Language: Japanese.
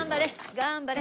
頑張れ！